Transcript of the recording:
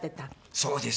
そうです。